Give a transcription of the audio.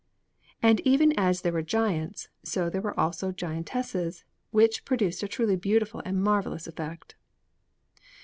And even as there were giants, so there were also giantesses, which produced a truly beautiful and marvellous effect.